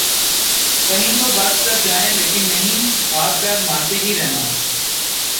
کہیں تو بس کر جائیں لیکن نہیں ‘ ہاتھ پیر مارتے ہی رہنا ہے۔